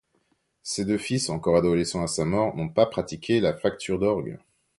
Ses deux fils, encore adolescents à sa mort, n'ont pas pratiqué la facture d'orgues.